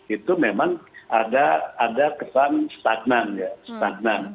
itu memang ada kesan stagnan ya stagnan